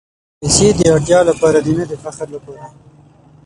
پېسې د اړتیا لپاره دي، نه د فخر لپاره.